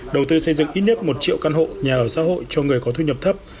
đầu tư xây dựng ít nhất một triệu căn hộ nhà ở xã hội cho người có thu nhập thấp